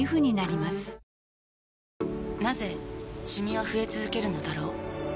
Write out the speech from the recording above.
なぜシミは増え続けるのだろう